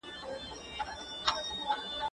دا خبري له هغو روښانه دي!؟